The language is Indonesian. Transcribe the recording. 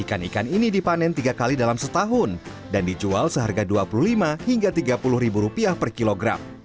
ikan ikan ini dipanen tiga kali dalam setahun dan dijual seharga rp dua puluh lima hingga rp tiga puluh per kilogram